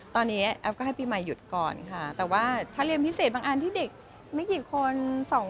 ตอนนี้แอปก็ให้ปีใหม่หยุดก่อนค่ะแต่ว่าถ้าเรียนพิเศษบางอันที่เด็กไม่กี่คน